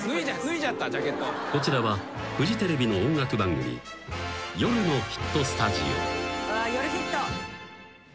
［こちらはフジテレビの音楽番組『夜のヒットスタジオ』］